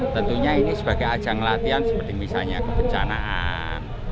tentunya ini sebagai ajang latihan seperti misalnya kebencanaan